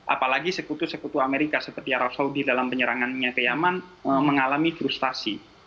apalagi sekutu sekutu amerika seperti arab saudi dalam penyerangannya ke yaman mengalami frustasi